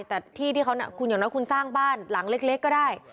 แต่ที่ที่เขาน่ะคุณอย่างน้อยคุณสร้างบ้านหลังเล็กก็ได้